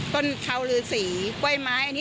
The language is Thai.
ต้นเข่าหลือสีกล้วยไม้